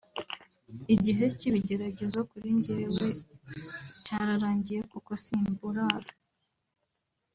Igihe cy’ibigeragezo kuri njyewe cyararangiye kuko simburara